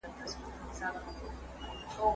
موټر چلونکي په خپل جېب کې یوازې یو څو روپۍ لرلې.